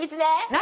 何？